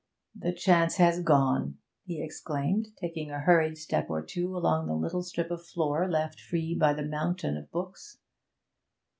'The chance has gone!' he exclaimed, taking a hurried step or two along the little strip of floor left free by the mountain of books.